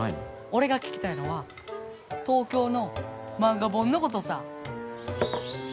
俺が聞きたいのは東京の漫画本のことさぁ。